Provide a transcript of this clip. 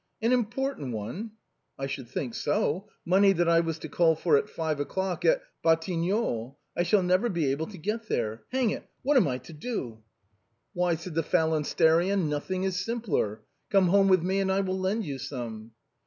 "An important one ?"" I should think so ; money that I was to call for at five o'clock at Batignolles. I shall never he able to get there. Hang it ; what am I to do ?"" Why," said the phanlansterian, " nothing is simpler ; come home with me, and I will lend you some."